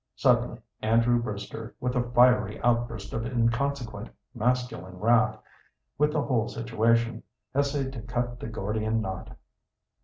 Suddenly Andrew Brewster, with a fiery outburst of inconsequent masculine wrath with the whole situation, essayed to cut the Gordian knot.